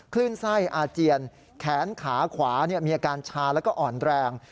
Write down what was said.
คลื่นไส้อาเจียนแขนขาขวามีอาการชาแล้วก็อ่อนแรง